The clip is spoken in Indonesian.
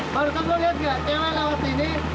baru kamu lihat gak cewek lewat sini